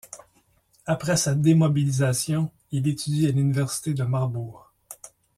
Après sa démobilisation, il étudie à l’université de Marbourg.